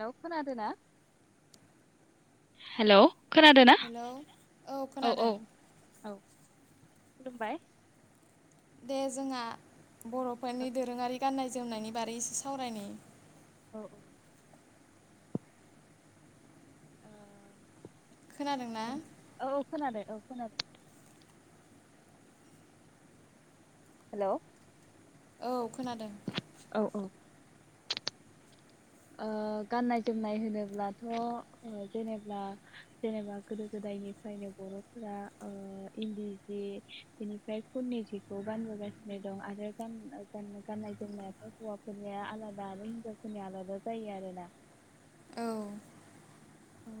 हेल खोनादों ना हेल खोनादोना? हेलौ औ औ औ। खुलुमबाय दे जोंहा औ बर'फोरनि दोरोङारि गाननाय जोमनायनि बारै एसे सावरायनायनि [inaudible] ओ खोनादोंना औ औ खोनादों औ मोनाबिलि [unintelligible] हेलौ। औ खोनादों। औ औ। ओ गाननाय जोमनाय होनोब्लाथ' जेनेबा जेनेबा गोदो गोदायनिफ्रायनो बर'फोरा ओ इन्दि जि बेनिफ्राय खुननि जिखौ गानबोगासिनो दं आरो गान-गाननाय जोमनायाथ' हौवाफोरनिया आलादा आरो हिनजावफोरनिया आलादा जायो आरो आरोना औ ओ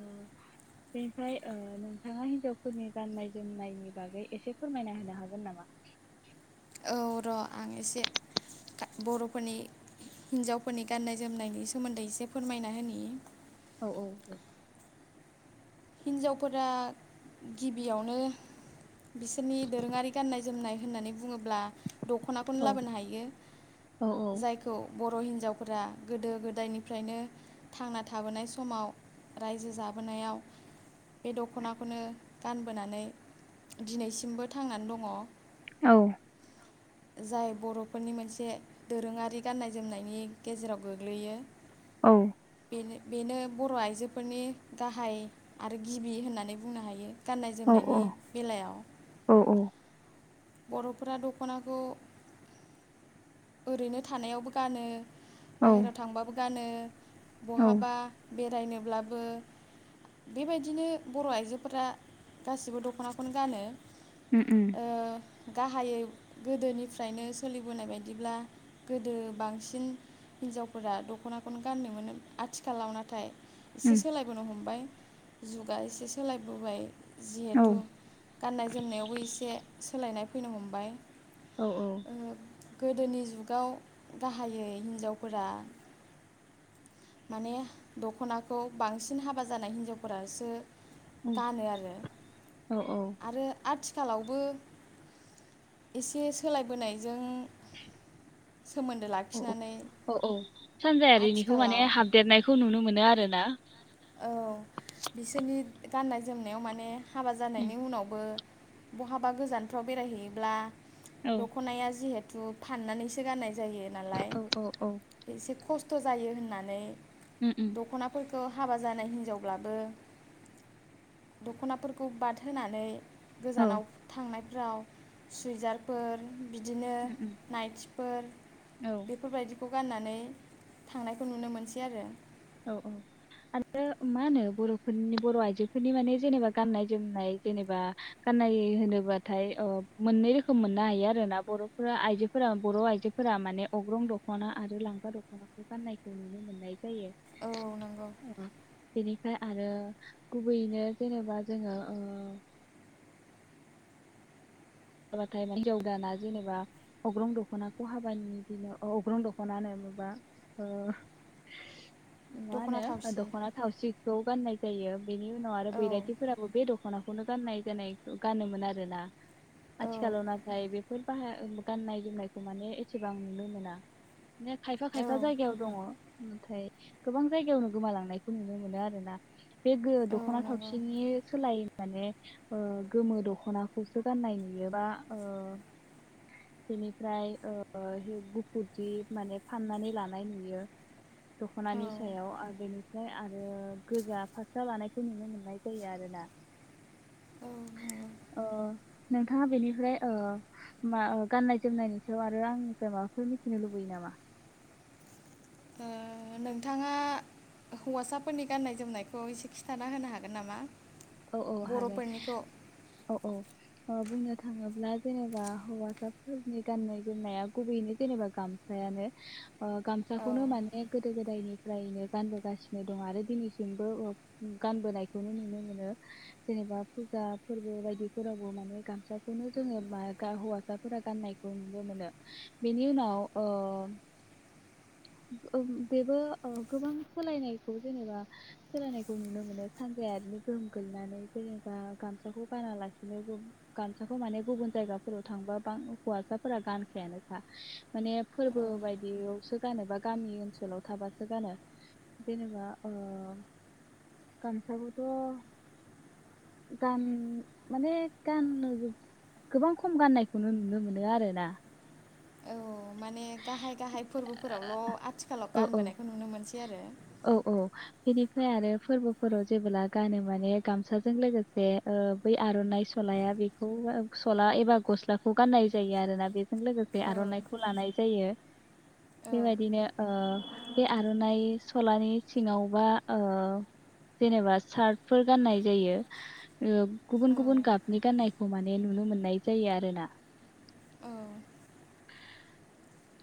बेनिफ्राय ओ नोंथाङा हिन्जावफोरनि गाननाय जोमनायनि बागै एसे फोरमायना होनो हागोन नामा? औ र' आं एसे गा-बर'फोरनि हिन्जावफोरनि गान्नाय जोमनायनि सोमोन्दै एसे फोरमायना होनि। औ औ औ हिन्जावफोरा गिबियावनो बिसोरनि दोरोङारि गाननाय जोमनाय होननानै बुङोब्ला दखनाखौनो औ लाबोनो हायो औ जायखौ ब बर' हिनजावफोरा गोदो गोदायनिफ्रायनो थांना थाबोनाय समाव रायजो जाबोनायाव बे द'खनाखौनो गानबोनानै दिनैसिमबो थांनानै दङ औ जाय बरफोरनि मोनसे दोरोङारि गाननाय जोमनायनि गेजेराव गोग्लैयो औ बे बेनो बर' आइजोफोरनि गाहाय आरो गिबि होननानै बुंनो हायो गाननाय औ जोमनायनि बेलायाव औ बर'फोरा दख'नाखौ ओरैनो थानायावबो गानो औ बाहेरायाव थांबाबो गानो बहाबा बेरायनोब्लाबो बेबायदिनो बर' आइजोफोरा गासिबो दख'नाखौनो गानो। उम उम ओ गाहायै गोदोनिफ्रायनो सोलिबोनाय बायदिब्ला गोदो बांसिन हिनजावफोरा दख'नाखौनो गाननो मोनो आथिखालाव नाथाय एसे उम सोलायबोनो हमबाय जुगा एसे सोलायबोबाय औ जिहेथु गाननाय जोमनायावबो एसे सोलायनाय फैनो हमबाय औ औ। ओ गोदोनि जुगाव गाहायै हिनजावफोरा माने दख'नाखौ बांसिन हाबा जानाय हिनजावफोरासो गानो आरो औ आरो आरथि खालावबो एसे सोलायबोनायजों। सोमोन्दो औ लाखिनानै औ औ औ सानजायारिनिखौ आथिखालाव माने हाबदेरनायखौ नुनो मोनो आरो ना? औ बिसोरनि गाननाय जोमनायाव माने हाबा उम जानायनि उनावबो बहाबा गोजानफ्राव बेरायहैयोब्ला औ दख'नाया जिहेत जु फाननानैसो गाननाय। जायो नालाय औ औ औ एसे खस खस्थ' जायो होननानै उम उम दख'ना फोरखौ। हाबा जानाय हिनजावब्लाबो दख'नाफोरखौ बाद होनानै औ गोजानाव थांनाय। ब्राव सुइजारफोर बिदिनो उम उम नाइटि फोर। औ बेफोरबायदिखौ गाननानै थांनायखौ नुनो मोनसै आरो औ-औ आरो मा होनो बर'फोरनि बर'आयजोफोरनि माने जेनेबा गाननाय जोमनाय जेनेबा गाननाय होनोबाथाय मोननै रोखोमन मोननो हायो आरोना बर'फोरा आयजोफोरा बर' आयजोफोरा माने अगरं दख'ना आरो लांगा दख'नाखौ गाननायखौ नुनो मोननाय जायो। औ नंगौ ओमफ्राय आरो गुबैयैनो जेनेबा जोङो ओ हाबा बाथाय हिन्जाव गोदाना जेनेबा अग्रं दखनाखौ हाबानि दिनाव अग्रं दखनानो माबा ओ दख'ना माहोनो थावसि दखना थावसि। खौ गाननाय जायो। बेनि उनाव आरो औ बैरथिफोराबो बे दख'नाखौ बेखौनो गाननाय जानाय गानोमोन आरोना। औ आथिखालाव नाथाय बे बेफोर बाहाय गाननाय जोमनायखौ माने एसेबां नुनो मोना बिदिनो खायफा औ खायफा जायगायाव दङ नाथाय गोबां जायगायावनो गोमालांनायखौ नुनो मोनो आरो ना बे गो औ दखना नंगौ थावसिनि सोलाय माने ओ गोमो दखनाखौसो गाननाय। नुयोबा ओ बेनिफ्राय ओ गुफुरजि माने फाननानै लानाय नुयो। औ दख'नानि सायाव आरो बेनि ओमफ्राय आरो गोजा फास्रा लानायखौ नुनो मोननाय जायो आरोना औ अ नोंथाङा बेनिफ्राय ओ मा गाननाय जोमनायनि सायाव आरो आंनिफ्राय माबाफोर मिथिनो लुबैयो नामा ओ नोंथाङा हौवासाफोरनि गाननाय जोमनायखौ एसे खिन्थाना होनो हागोन नामा? औ औ हागोन बर'फोरनिखौ औ औ। ओ बुंनो थाङोब्ला जेनेबा हौवासाफोरनि गाननाय जोमनाया गुबैयैनो जेनेबा गामसायानो। ओ औ गामसाखौनो माने गोदो गोदायनि फ्रायैनो गानबोगासिनो दं आरो दिनैसिमबो ओ गानबोनायखौनो नुनो मोनो। जेनेबा फुजा फोरबो बायदिफोरावबो माने गामसाखौनो जोङो मा गा हौवासाफोरा गाननायखौ नुनो मोनो बेनि उनाव ओ बेबो ओ गोबां सोलायनायखौ जेनेबा सोलायनायखौ नुनो मोनो सानजायारिनि गोह गैनानै जेनेबा गामसाखौ गानालासिनो गामसाखौ माने गुबुन जायगाफोराव थांबा बां गान हौवासाफोरा गानखायानोखा। माने फोरबो बायदियावसो गानोबा गामि ओनसोलाव थाबासो गानो जेनेबा ओ गामसाखौथ' गान माने गाननो गोबां खम गाननायखौनो नुनो मोनो आरोना औ माने गाहाय गाहाय फोरबोफोरावल आथिखालाव औ औ गानबोनायखौ नुनो मोनसै आरो। औ औ बेनिफ्राय आरो फोरबोफोराव जेबोब्ला गानो माने गामसाजों लोगोसे ओ बै आरनाइ सलाया बेखौ सला एबा गस्लाखौ गाननाय जायो आरोना बेजों लोगोसे औ आरनाइखौ लानाय जायो औ बेबायदिनो ओ बे आरनाइ सलानि सिङावबा ओ जेनेबा सार्टफोर गाननाय जायो ओ औ गुबुन गुबुन गाबनि गाननायखौ माने नुनो मोननाय जायो आरोना। औ।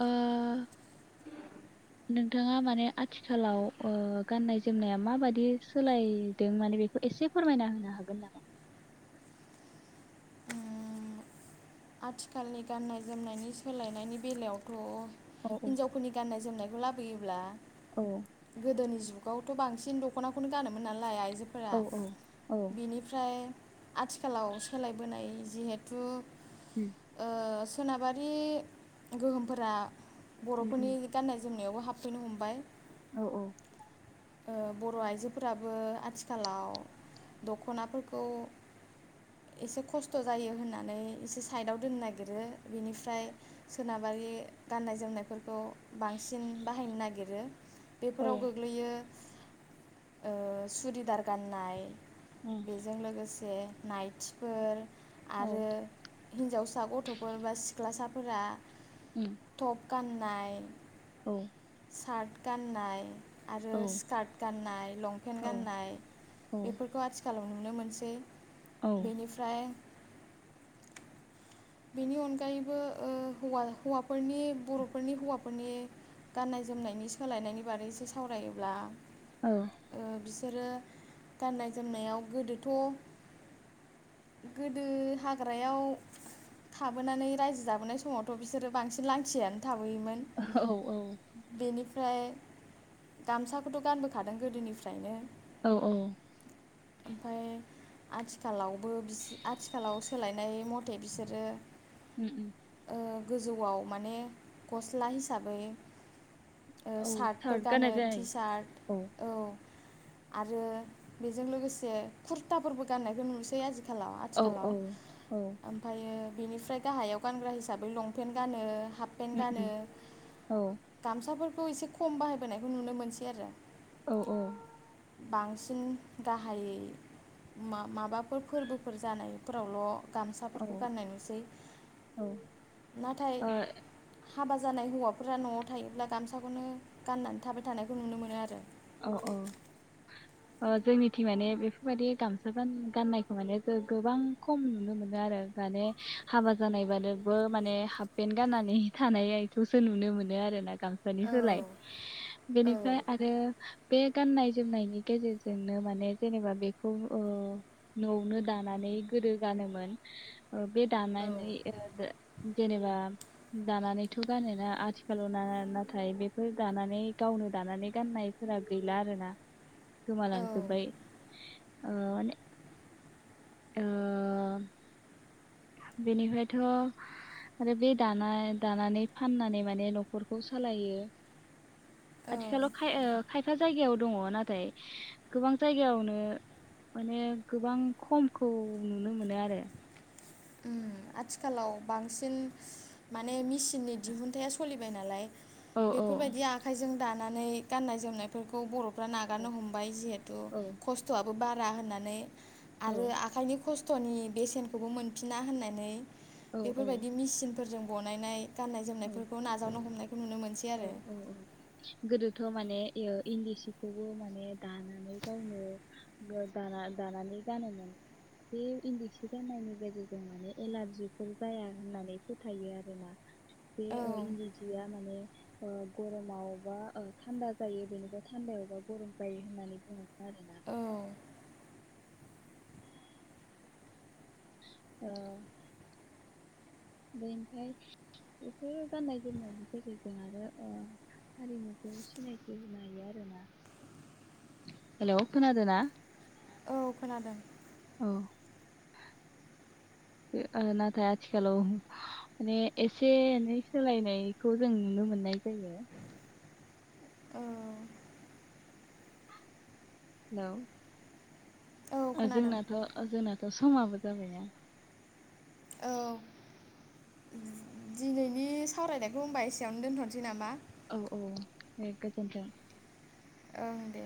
ओ नोंथाङा माने आथिखालाव ओ गाननाय जोमनाया माबादि सोलायदों माने बेखौ एसे फोरमायना होनो हागोन नामा उम आथिखालनि गाननाय जोमनायनि सोलायनायनि बेलायावथ' औ औ हिनजावफोरनि गाननाय जोमनाय। लाबोयोब्ला औ गोदोनि जुग जुगावथ बांसिन दखनाखौनो गानोमोन नालाय आय औ जोफोरा औ औ बिनिफ्राय आथिखालाव सोलायबोनाय जिहेथु उम औस। सोनाबारि गोहोमफोरा। उम उम बर'फोरनि गाननाय जोंम मोनायावबो हाबफैनो हमबाय। औ औ। ओ बर' आइजोफोराबो आथिखालाव दखनाफोरखौ एसे खस्थ' जायो होननानै एसे साइदआव दोननो नागिरो बेनिफ्राय सोनाबारि गाननाय जोमनायफोरखौ बांसिन बाहायनो नागिरो। औ बेफोराव गोग्लैयो ओ सुरिदार गाननाय। उम बेजों लोगोसे जे नाइथिफोर औ आरो हिनजावसा गथ'फोर बा सिख्लासाफोरा उम। गान्नाय औ सार्ट गाननाय आरो औ सि स्कार्ट गाननाय लंफेन औ गान्नाय औ बेफोरखौ आथिखाल नुनो मोनसै। बेनिफ्राय बेनि अनगायैबो ओ हौवा हौवाफोरनि बर'फोरनि हौवाफोरनि गाननाय जोमनायनि सोलायनायनि बारैसो सावरायोब्ला औ ओ बिस रो गाननाय जोमनायाव गोदोथ' गोदो हाग्रायाव थाबोनानै रायजो जाबोनाय समावथ' बिसोरो बांसिन लांथियानो थाबोयोमोन औ बेनिफ्राय ओमफाय गामसाखौथ गानबोखादों गोदोनिफ्रायनो। औ औ। ओमफाय आथिखालाव बो बिस आथिखालाव सोलायनाय मट नाथाय बिसोरो उम उम ओ गोजौआव माने गस्ला हिसाबै ओ औ सार्टफोर सार्ट गानो गाननाय टि जायो सार्ट औ आरो बेजों लोगोसे कुर्ताफोरबो गाननायखौ नुसै आजिखा आथिखालाव औ आथिखालाव औ औ ओमफ्रायो बिनिफ्राय गाहायाव गानग्रा हिसाबै लंपेन्ट गानो। हाफपेन्ट उम गानो उम औ गामसाफोर बे एसे खम बाहायबोनायखौ नुनो मोनसै आरो। औ औ बांसिन गाहायै मा-माबाफोर फोरबोफोर जानायफोरावल' गामसाफोरखौ गाननाय नुसै। ओ औ नाथाय हाबा जानाय हौवाफोरा न'आव थायोब्ला गामसाखौनो गाननानै थाबाय थानायखौ नुनो मोनो आरो। औ औ अ जोंनिथिं माने बेफोरबायदि गामसा गान गाननायखौ माने जों गोबां खम नुनो मोनो आरो माने हाबा जानायबानोबो माने हाफ पेन्ट गाननानै थानायखौसो नुनो मोनो आरोना। गामसनि सोलाय औ बेनिफ्राय आरो। बे गाननाय जोमनायनि गेजेरजोंनो माने जेनेबा बेखौ ओ न'आवनो दानानै गोदो गानोमोन। औ बे औ दानानै [unintelligible] जेनेबा। दानानैथ' गानोना आथिखालाव ना-नाथाय बेफोर दानानै गावनो दानानै गाननाय जोंना गैला आरोना। औ गोमालांजोब्बाय। ओ माने ओ बेनिफ्रायथ'आरो बे दाना दानानै फाननानै माने न'खरखौ सालायो। औ औ आथिखालाव खाय ओ खायफा जायगायाव दङ नाथाय गोबां जायगायावनो माने गोबां खमखौ नुनो मोनो आरो। उम आथिखालाव बांसिन माने मेसिननि दिहुनथाया सलिबाय नालाय। औ औ बेफोरबायदि आखाइजों दानो नानै गाननाय जोमनायफोरखौ बर' फ्रा नागारनो हमबाय जिहेथु औ खस्थ'आबो बा भ्रा होननानै औ आरो आखाइनि खस खस्थ'नि बेसेनखौबो मोन फिना होननानै औ बेफोरबायदि मेचिन। फोरजों बनायनाय। गाननाय औ जोमनायफोरखौ नाजावनो हमनायखौ नुनो मोनसै। औ आरो औ औ गोदो। बेथ' माने इन्दि सिखौबो माने दानानै गावनो दाना दानानै गानोमोन बे इन्दि सि गाननायनि गेजेरजों माने एलारजिफोर जाया होननानै फोथायो आरोना बे औ इन्दि सिया माने ओ गरमावबा ओ थान्दा जायो बेनिफ्राय थान्दायावबा गरम जायो होननानै बुङोन आरोना। औ औ। बे ओमफ्राय बेफोर गाननाय जोमनायनि गेजेरजों आरो हारिमुखौ सिनायथि होनो हायो आरोना हेलौ खोनादोंना औ खोनादों औ ओ नाथाय आथिखालाव बे एसे एनै सोलायनायखौ जों नुनो मोननाय जायो औ हेल औ खोनादों जोंनाथ जोंनाथ समाबो जाबायना औ दिनैनि सावरायनायखौ होनबा एसेयावनो दोनथनोसै नामा? औ औ दे गोजोनथों। ओं दे